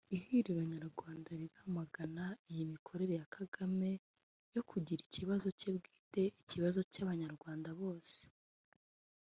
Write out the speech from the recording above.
Ihuriro Nyarwanda riramagana iyi mikorere ya Kagame yo kugira ikibazo cye bwite ikibazo cy’abanyarwanda bose